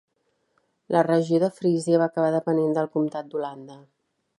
La regió de Frísia va acabar depenent del comtat d'Holanda.